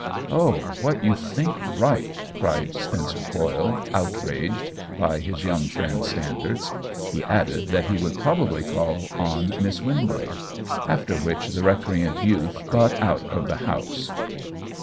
" Oh, what you * think right!* " cried Spen cer Coyle, outraged by his young friend's standards. He added that he would proba bly call on Miss Wingrave ; after which the recreant youth got out of the house.